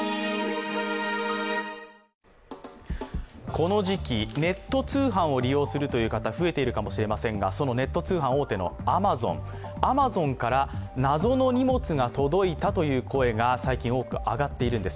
この時期、ネット通販を利用するという方増えているかもしれませんがそのネット通販大手のアマゾンから謎の荷物が届いたという声が最近、多く上がっているんです。